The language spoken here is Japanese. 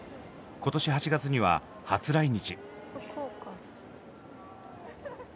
今年８月には初来日。